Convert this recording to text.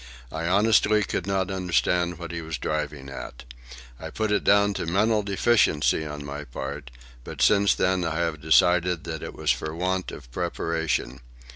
I honestly could not understand what he was driving at. I put it down to mental deficiency on my part, but since then I have decided that it was for want of preparation.